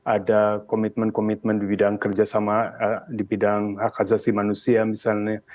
ada komitmen komitmen di bidang kerjasama di bidang hak asasi manusia misalnya